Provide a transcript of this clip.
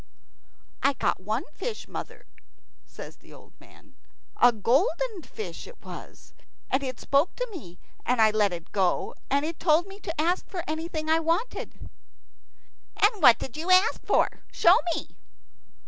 "I caught one fish, mother," says the old man: "a golden fish it was, and it spoke to me; and I let it go, and it told me to ask for anything I wanted." "And what did you ask for? Show me."